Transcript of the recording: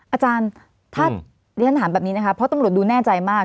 อาจารย์ถ้าเรียนถามแบบนี้นะคะเพราะตำรวจดูแน่ใจมาก